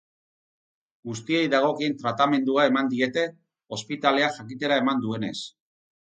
Guztiei dagokien tratamendua eman diete, ospitaleak jakitera eman duenez.